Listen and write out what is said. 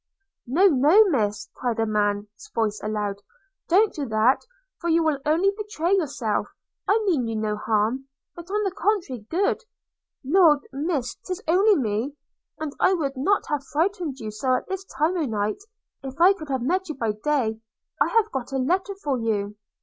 'No, no, Miss!' cried a man's voice aloud; 'don't do that, for you will only betray yourself; I mean you no harm, but, on the contrary, good. – Lord, Miss, 'tis only me; and I would not have frighted you so at this time o'night if I could have met you by day. I have got a letter for you.'